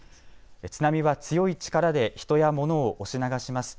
津波は強い力で人や物を押し流します。